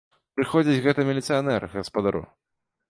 Прыходзіць гэта міліцыянер к гаспадару.